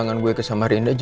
makasih ya mas